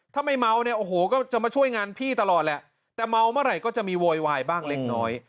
ถ้าไม่เมาเนี่ยโอ้โหก็จะมาช่วยงานพี่ตลอดแหละแต่เมาเมื่อไหร่ก็จะมีโวยวายบ้างเล็กน้อย